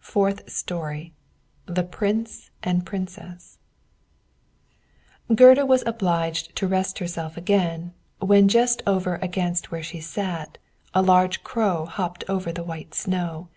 FOURTH STORY THE PRINCE AND PRINCESS Gerda was obliged to rest herself again, when just over against where she sat, a large Crow hopped over the white snow.